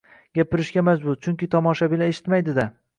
Gapirishga majbur, chunki tomoshabinlar eshitmaydi-da.